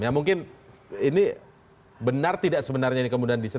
ya mungkin ini benar tidak sebenarnya kemudian disen